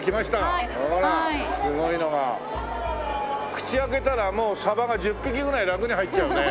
口開けたらもうサバが１０匹ぐらいラクに入っちゃうね。